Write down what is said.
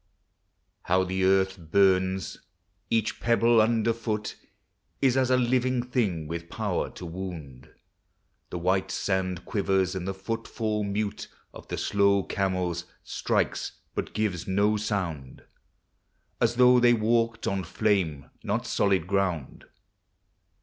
How the earth burns ! Each pebble under foot Is as a living thing with power to wound. The white sand quivers, and the footfall mute Of the slow camels strikes but gives no sound, As though they walked on flame, not solid ground